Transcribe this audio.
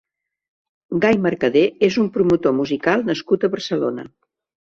Gay Mercader és un promotor musical nascut a Barcelona.